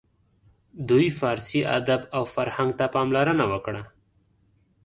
دوی فارسي ادب او فرهنګ ته پاملرنه وکړه.